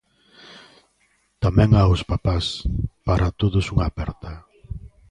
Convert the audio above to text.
Tamén aos papás: para todos unha aperta.